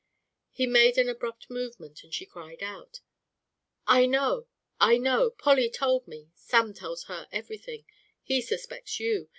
He made an abrupt movement, and she cried out: "I know! I know! Polly told me Sam tells her everything. He suspects you.